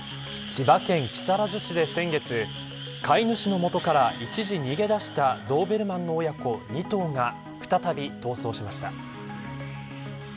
千葉県木更津市で先月飼い主の元から一時逃げ出したドーベルマンの親子２頭が再び逃走しました。